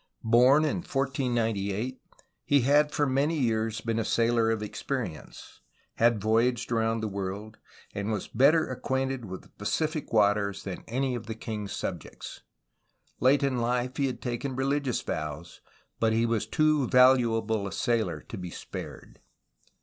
Bom in 1498 he had for many years been a sailor 84 THE MANILA GALLEON 85 of experience, had voyaged around the world, and was better acquainted with Pacific waters than any of the king's sub jects. Late in life he had taken religious vows, but he was too valuable a sailor to be spared.